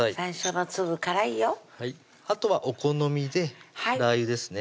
あとはお好みでラー油ですね